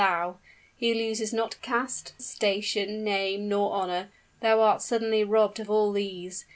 Thou! He loses not caste, station, name, nor honor; thou art suddenly robbed of all these!